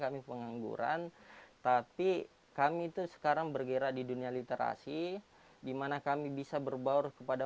kami pengangguran tapi kami itu sekarang bergerak di dunia literasi dimana kami bisa berbaur kepada